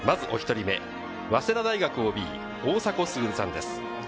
まずお１人目、早稲田大学ＯＢ・大迫傑さんです。